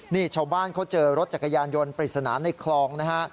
นี่ชาวบ้านเขาเจอรถจักรยานยนต์ปริศนาในคลองนะฮะ